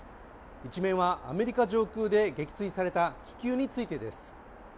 一面はアメリカ上空で撃墜された中国の気球についてです。